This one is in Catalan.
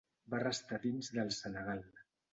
Va restar dins del Senegal.